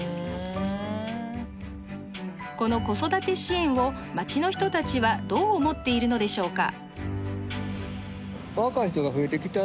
この子育て支援を街の人たちはどう思っているのでしょうか？